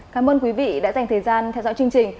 cảm ơn quý vị đã dành thời gian theo dõi chương trình